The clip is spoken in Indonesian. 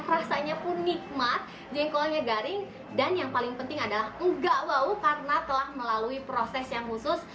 rasanya pun nikmat jengkolnya garing dan yang paling penting adalah enggak bau karena telah melalui proses yang khusus